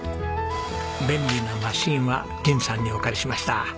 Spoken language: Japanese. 便利なマシンは仁さんにお借りしました。